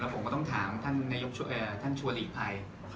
แล้วผมก็ต้องถามท่านชัวรีภัย